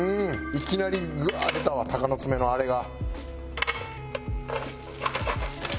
いきなりグワー出たわ鷹の爪のあれが。